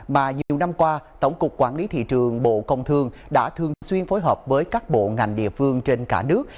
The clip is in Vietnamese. mà nhiều năm qua tổng cục quản lý thị trường bộ công thương đã thường xuyên phối hợp với các bộ ngành địa phương trên cả nước